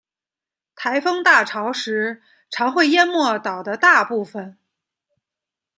台风大潮时常会淹没岛的大部分。